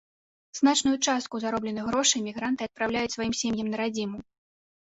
Значную частку заробленых грошай мігранты адпраўляюць сваім сем'ям на радзіму.